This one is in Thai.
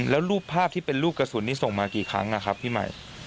แล้วรูปภาพที่เป็นลูกกระสุนนี้ส่งมากี่ครั้งนะครับพี่ใหม่